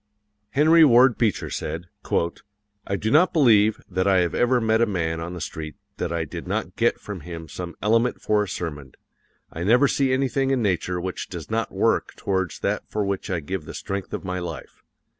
Henry Ward Beecher said: "I do not believe that I have ever met a man on the street that I did not get from him some element for a sermon. I never see anything in nature which does not work towards that for which I give the strength of my life.